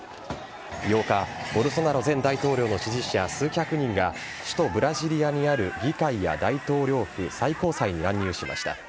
８日、ボルソナロ前大統領の支持者数百人が、首都ブラジリアにある議会や大統領府、最高裁に乱入しました。